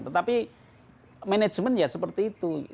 tetapi manajemen ya seperti itu